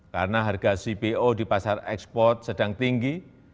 karena harga cpo di pasar ekspor sedang tinggi